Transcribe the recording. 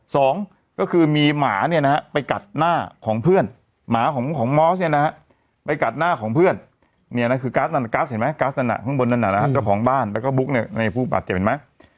สองก็คือมีหมาเนี่ยนะฮะไปกัดหน้าของเพื่อนหมาของมอสเนี่ยนะฮะไปกัดหน้าของเพื่อนเนี่ยนะคือก๊าซนั้นก๊าซเห็นไหมกัสนั้นข้างบนนั้นนะฮะเจ้าของบ้านแล้วก็บุ๊กเนี่ยในผู้บาดเจ็บเห็นไหม